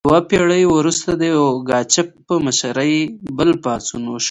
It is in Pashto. یوه پیړۍ وروسته د یوګاچف په مشرۍ بل پاڅون وشو.